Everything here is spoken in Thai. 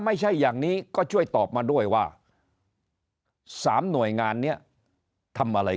ไม่ใช่อย่างนี้ก็ช่วยตอบมาด้วยว่า๓หน่วยงานนี้ทำอะไร